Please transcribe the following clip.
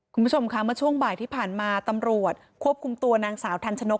คุณผู้ชมค่ะเมื่อช่วงบ่ายที่ผ่านมาตำรวจควบคุมตัวนางสาวทันชนก